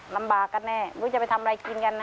ลำบากกันแน่ไม่รู้จะไปทำอะไรกินกันนะ